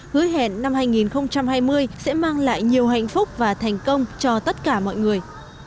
hứa hẹn năm hai nghìn hai mươi sẽ mang lại nhiều hạnh phúc và thành công cho tất cả mọi người